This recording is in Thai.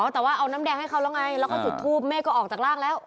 แต่ว่าเอาน้ำแดงให้เขาแล้วไงแล้วก็จุดทูปแม่ก็ออกจากร่างแล้ว